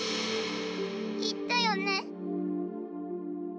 言ったよね？